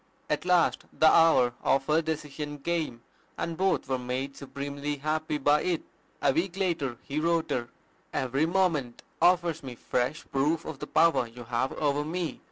At last the hour of her decision came; and both were made supremely happy by it. A week later he wrote her, "Every moment offers me fresh proof of the power you have over me.